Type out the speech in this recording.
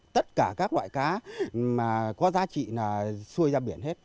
tất cả các loại cá mà có giá trị là xuôi ra biển hết